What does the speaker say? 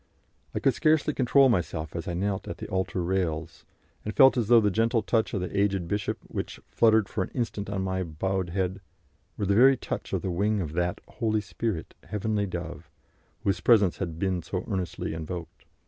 I could scarcely control myself as I knelt at the altar rails, and felt as though the gentle touch of the aged bishop, which fluttered for an instant on my bowed head, were the very touch of the wing of that "Holy Spirit, heavenly Dove," whose presence had been so earnestly invoked.